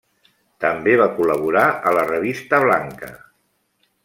També va col·laborar a La Revista Blanca.